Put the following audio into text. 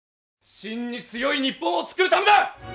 真に強い日本を作るためだ。